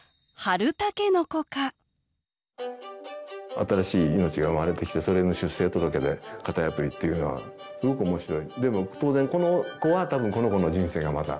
新しい命が生まれてきてそれの出生届で型破りっていうのはすごく面白い。